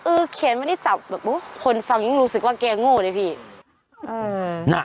เออเขียนไม่ได้จับแบบคนฟังยังรู้สึกว่าเกงง่วดเลยพี่เอิ่มน่ะ